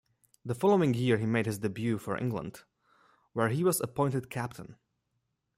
The following year he made his debut for England, where he was appointed captain.